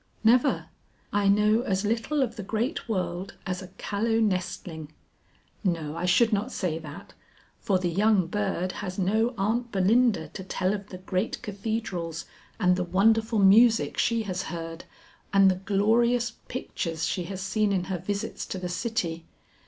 "Never, I know as little of the great world as a callow nestling. No, I should not say that, for the young bird has no Aunt Belinda to tell of the great cathedrals and the wonderful music she has heard and the glorious pictures she has seen in her visits to the city.